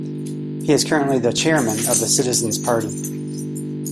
He is currently the chairman of the Citizens' Party.